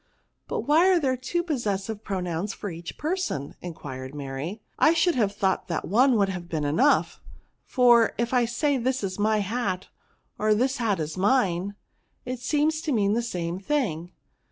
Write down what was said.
" But, why are there two possessive pi«* PRONOUNS. 169 nouns for each person ?" enquired Mary ;" I should have thought that one would have been enough ; for if I say this is my hat, or this hat is mine, it seems to mean the same thing."